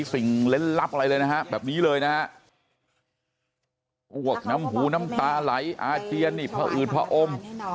เล่นลับอะไรเลยนะฮะแบบนี้เลยนะฮะอ้วกน้ำหูน้ำตาไหลอาเจียนนี่พออืดผอม